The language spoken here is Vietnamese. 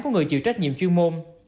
của người chịu trách nhiệm chuyên môn